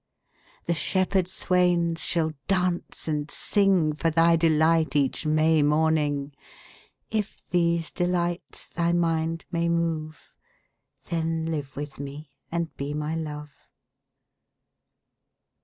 20 The shepherd swains shall dance and sing For thy delight each May morning: If these delights thy mind may move, Then live with me and be my Love.